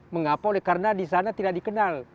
mengapa karena di sana tidak dikenal